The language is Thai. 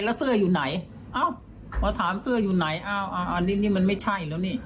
แล้วเสื้ออยู่ไหนเอ้าพอถามเสื้ออยู่ไหนอ้าวอันนี้นี่มันไม่ใช่แล้วนี่